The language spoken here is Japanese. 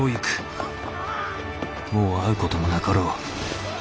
もう会うこともなかろう。